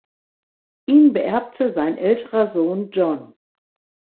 Ihn beerbte sein älterer Sohn John.